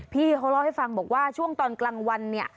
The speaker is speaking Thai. พี่เขาเล่าให้ฟังบอกว่าช่วงตอนกลางวันเนี่ย